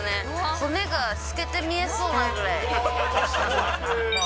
骨が透けて見えそうなぐらい。